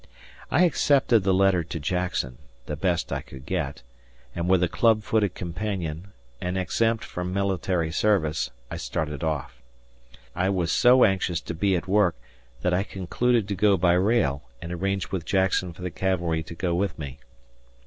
I accepted the letter to Jackson the best I could get and with a club footed companion, an exempt from military service, I started off. I was so anxious to be at work that I concluded to go by rail and arrange with Jackson for the cavalry to go with me.